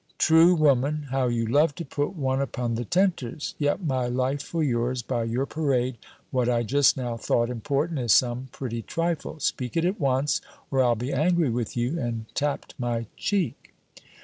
"True woman! How you love to put one upon the tenters! Yet, my life for yours, by your parade, what I just now thought important, is some pretty trifle! Speak it at once, or I'll be angry with you;" and tapped my cheek.